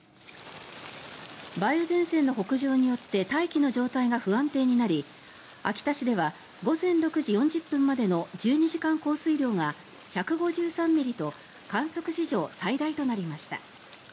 梅雨前線の北上によって大気の状態が不安定になり秋田市では午前６時４０分までの１２時間降水量が１５３ミリと観測史上最大となりました。